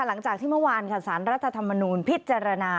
หลังจากที่เมื่อวานค่ะสารรัฐธรรมนูลพิจารณา